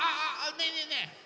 ねえねえねえ！